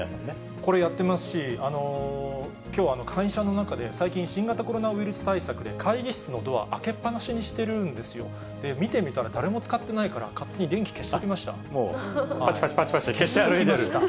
これ、やってますし、きょう、会社の中で、最近、新型コロナウイルス対策で会議室のドア開けっ放しにしてるんですよ、見てみたら、誰も使ってないから、ぱちぱちぱちぱちと、消して歩いてる？